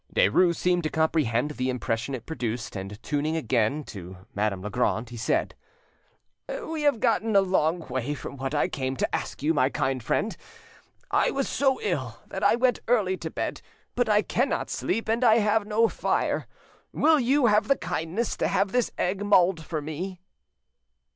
Derues seemed to comprehend the impression it produced, and tuning again to Madame Legrand, he said— "We have got a long way from what I came to ask you, my kind friend. I was so ill that I went early to bed, but I cannot sleep, and I have no fire. Would you have the kindness to have this egg mulled for me?"